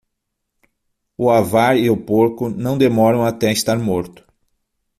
O avar e o porco, não demoram até estar morto.